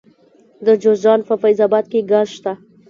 د جوزجان په فیض اباد کې ګاز شته.